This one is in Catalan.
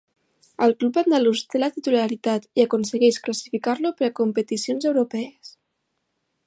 Al club andalús té la titularitat i aconsegueix classificar-lo per a competicions europees.